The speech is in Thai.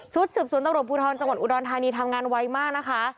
สืบสวนตำรวจภูทรจังหวัดอุดรธานีทำงานไวมากนะคะ